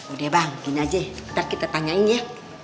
udah bang gini aja ntar kita tanyain ya